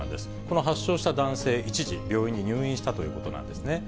この発症した男性、一時病院に入院したということなんですね。